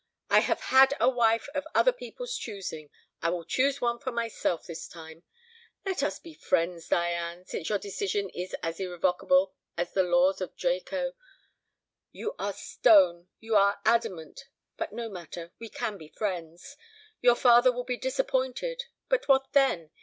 I have had a wife of other people's choosing; I will choose one for myself this time. Let us be friends, Diane, since your decision is as irrevocable as the laws of Draco. You are stone, you are adamant; but no matter, we can be friends. Your father will be disappointed. But what then?